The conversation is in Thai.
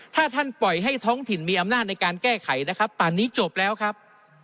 ถ้าท่านปล่อยให้ท้องถิ่นมีอำนาจในการแก้ไขนะครับป่านนี้จบแล้วครับ